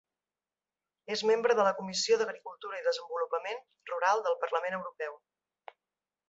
És membre de la Comissió d'Agricultura i Desenvolupament Rural del Parlament Europeu.